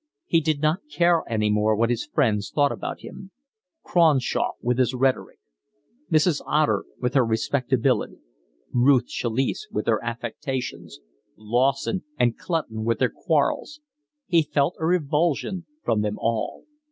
He did not care any more what his friends thought about him: Cronshaw with his rhetoric, Mrs. Otter with her respectability, Ruth Chalice with her affectations, Lawson and Clutton with their quarrels; he felt a revulsion from them all.